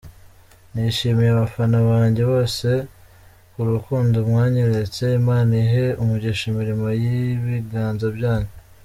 Nshimiye abafana banjye bose ku rukundo mwanyeretse, Imana ihe umugisha imirimo y’ibiganza byanyu.